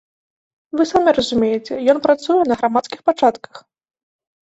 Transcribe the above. Вы самі разумееце, ён працуе на грамадскіх пачатках.